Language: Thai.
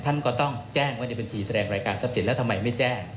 ท่านก็ต้องแจ้งไว้ในบัญชีแสดงรายการทรัพย์สินแล้วทำไมไม่แจ้ง